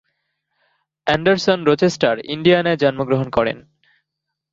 Anderson Rochester, ইন্ডিয়ানায় জন্মগ্রহণ করেন।